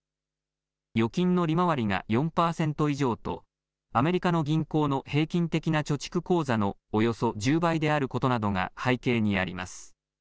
預金の利回りが４％以上とアメリカの銀行の平均的な貯蓄口座のおよそ１０倍であることなどが背景にあります。